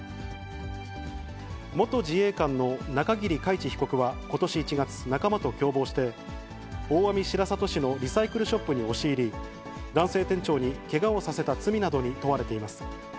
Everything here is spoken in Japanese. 元自衛官の中桐海知被告はことし１月、仲間と共謀して、大網白里市のリサイクルショップに押し入り、男性店長にけがをさせた罪などに問われています。